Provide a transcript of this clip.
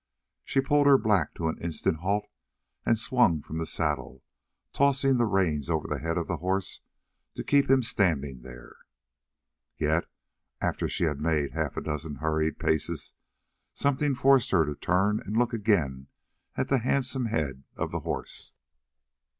She pulled her black to an instant halt and swung from the saddle, tossing the reins over the head of the horse to keep him standing there. Yet, after she had made half a dozen hurried paces something forced her to turn and look again at the handsome head of the horse.